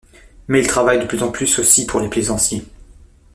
Mais il travaille de plus en plus aussi pour les plaisanciers.